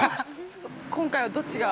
◆今回は、どっちが？